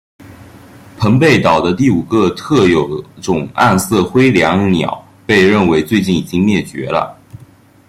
澎贝岛的第五个特有种暗色辉椋鸟被认为最近已经灭绝了。